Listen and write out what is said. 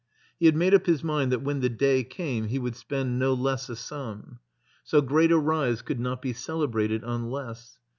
He had made up his mind that when the day came he would spend no less a sum. So great a rise could not be celebrated on less.